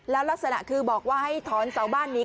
แล้วลักษณะคือบอกว่าให้ถอนเสาบ้านนี้